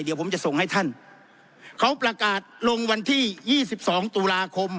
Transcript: เดี๋ยวผมจะส่งให้ท่านเขาประกาศลงวันที่ยี่สิบสองตุลาคม